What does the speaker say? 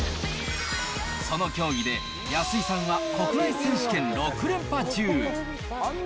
その競技で安井さんは国内選手権６連覇中。